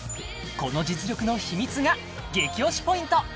この実力の秘密が激推しＰｏｉｎｔ！